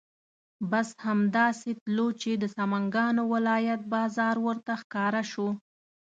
بس همدا سې تلو چې د سمنګانو ولایت بازار ورته ښکاره شو.